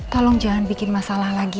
tolong jangan bikin masalah lagi